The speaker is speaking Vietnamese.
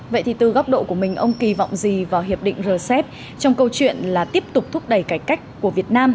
vậy thì từ góc độ của mình ông kỳ vọng gì vào hiệp định rcep trong câu chuyện là tiếp tục thúc đẩy cải cách của việt nam